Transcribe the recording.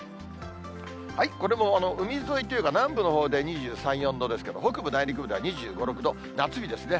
これも海沿いというか、南部のほうで２３、４度ですけれども、北部、内陸部が２５、６度、夏日ですね。